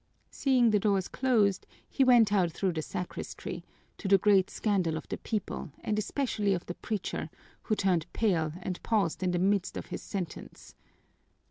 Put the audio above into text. Seeing the doors closed, he went out through the sacristy, to the great scandal of the people and especially of the preacher, who turned pale and paused in the midst of his sentence.